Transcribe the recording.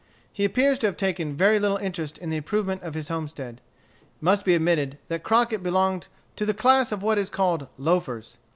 He appears to have taken very little interest in the improvement of his homestead. It must be admitted that Crockett belonged to the class of what is called loafers.